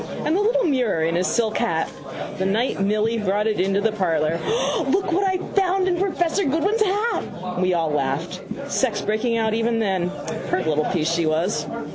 And the little mirror in his silk hat. The night Milly brought it into the parlour. O, look what I found in professor Goodwin's hat! All we laughed. Sex breaking out even then. Pert little piece she was.